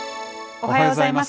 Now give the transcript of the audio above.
おはようございます。